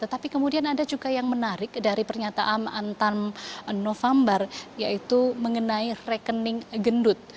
tetapi kemudian ada juga yang menarik dari pernyataan antam november yaitu mengenai rekening gendut